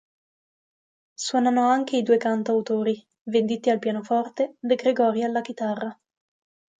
Suonano anche i due cantautori, Venditti al pianoforte, De Gregori alla chitarra.